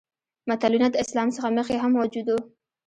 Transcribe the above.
متلونه د اسلام څخه مخکې هم موجود وو